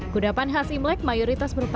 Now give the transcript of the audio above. kudapan khas imlek mayoritas berupa